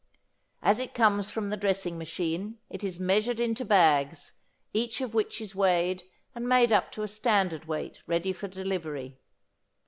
As it comes from the dressing machine it is measured into bags, each of which is weighed and made up to a standard weight ready for delivery.